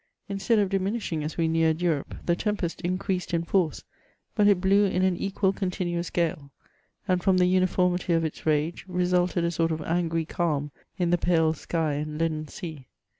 Instead of diminishing as we neared Europe^ the tempest in creased in force, but it blew in an equal continuous gale; and from the uniformity of its rage, resulted a sort of angxy calm in the pale sky and leaden sea.